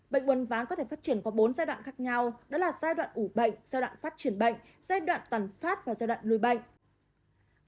bệnh uốn ván có thể phát triển qua bốn giai đoạn khác nhau đó là giai đoạn ủ bệnh giai đoạn phát triển bệnh giai đoạn tàn phát và giai đoạn lùi bệnh